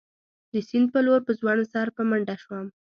د سیند په لور په ځوړند سر په منډه شوم.